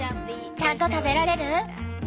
ちゃんと食べられる？